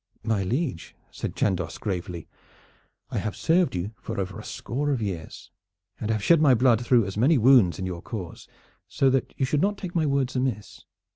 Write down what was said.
"My liege," said Chandos gravely, "I have served you for over a score of years, and have shed my blood through as many wounds in your cause, so that you should not take my words amiss.